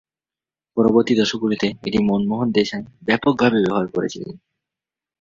পরবর্তী দশকগুলিতে এটি মনমোহন দেশাই ব্যাপকভাবে ব্যবহার করেছিলেন।